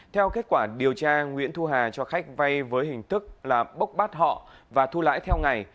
theo kết quả điều tra nguyễn thu hà cho khách vay với hình thức là bốc bát họ và thu lãi theo ngày